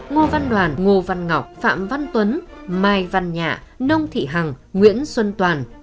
ngô văn đoàn ngô văn ngọc phạm văn tuấn mai văn nhạ nông thị hằng nguyễn xuân toàn